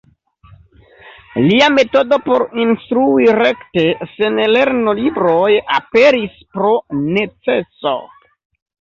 Lia metodo por instrui rekte, sen lernolibroj, aperis pro neceso.